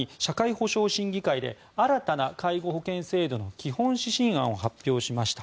厚生労働省は先月１０日に社会保障審議会で新たな介護保険制度の基本指針案を発表しました。